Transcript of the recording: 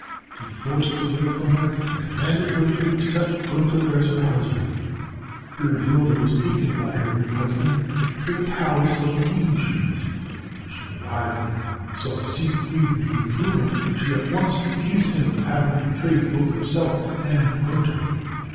He forced the ring from her, and commanded her to accept Gunther as her husband. Brünnhilde was taken by her new husband to the palace of the Gibichungs. When she arrived there, and saw Siegfried with Gutrune, she at once accused him of having betrayed both herself and Gunther.